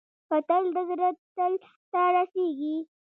کتل د زړه تل ته رسېږي